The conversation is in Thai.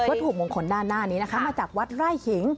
ถูกมงคลด้านหน้านี้นะคะมาจากวัดไร่ขิง